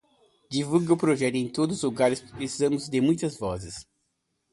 Divulgue o projeto em todos os lugares, precisamos de mais vozes